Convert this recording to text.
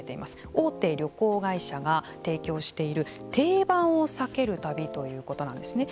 大手旅行会社が提供している定番を避ける旅ということなんですね。